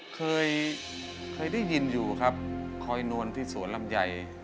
เคยเคยได้ยินอยู่ครับคอยนวลที่สวนลำไย